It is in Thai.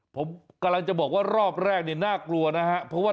ผมกำลังจะบอกว่ารอบแรกเนี่ยน่ากลัวนะฮะ